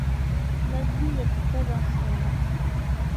La ville est très ancienne.